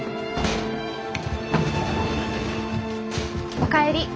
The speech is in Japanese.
・お帰り。